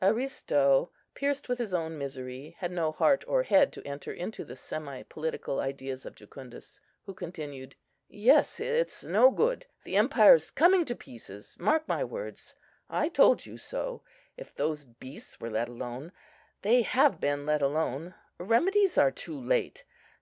Aristo, pierced with his own misery, had no heart or head to enter into the semi political ideas of Jucundus, who continued,— "Yes, it's no good. The empire's coming to pieces, mark my words! I told you so, if those beasts were let alone. They have been let alone. Remedies are too late.